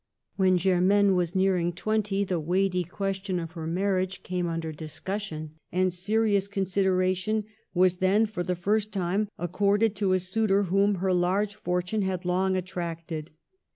When Germaine was nearing twenty, the ques tion of her marriage came under discussion; and serious consideration was then, for the first time, accorded to a suitor whom her large fortune had long attracted.